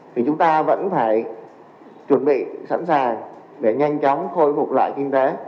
thì chúng ta vẫn phải chuẩn bị sẵn sàng để nhanh chóng khôi phục lại kinh tế